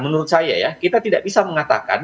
menurut saya ya kita tidak bisa mengatakan